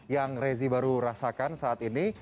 yang rezi baru rasakan saat ini